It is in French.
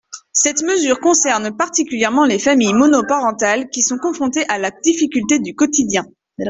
Cette mesure concerne particulièrement les familles monoparentales, qui sont confrontées à la difficulté du quotidien.